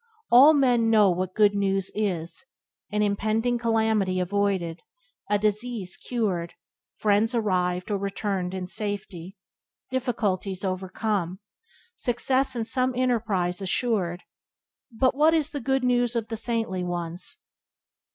All men know what Good News is — an impending calamity avoided, a disease cured, friends arrived or returned in safety, difficulties overcome, success in some enterprise assured; but what is the "Good News" of the saintly ones?